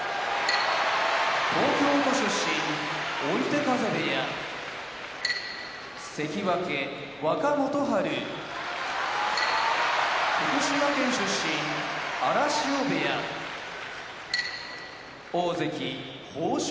東京都出身追手風部屋関脇・若元春福島県出身荒汐部屋大関豊昇